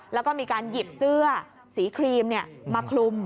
แล้วก็มีการหยิบเสื้อสีครีมมาคลุม